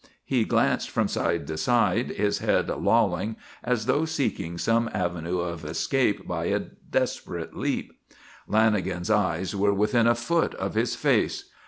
He glanced from side to side, his head lolling, as though seeking some avenue of escape by a desperate leap. Lanagan's eyes were within a foot of his face.